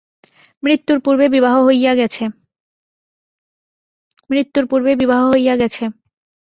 মৃত্যুর পূর্বেই বিবাহ হইয়া গেছে।